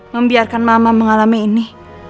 membiarkan mama mengalami ini